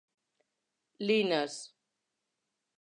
Linas.